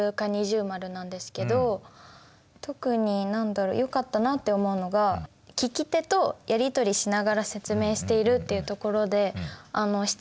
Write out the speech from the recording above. なんですけど特に何だろよかったなって思うのが「聞き手とやり取りしながら説明している」っていうところで質問とかをすごいしてくださったりとか。